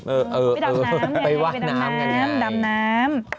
เออวงว่ามีใดไว้ดำน้ำ